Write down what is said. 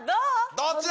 どっちだ。